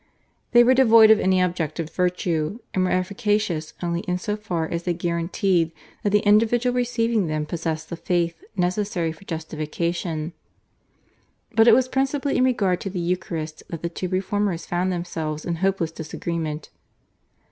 They were devoid of any objective virtue, and were efficacious only in so far as they guaranteed that the individual receiving them possessed the faith necessary for justification. But it was principally in regard to the Eucharist that the two reformers found themselves in hopeless disagreement.